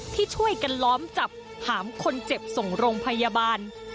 ที่ช่วยกันล้อมจับหามคนเจ็บส่งโรงพยาบาล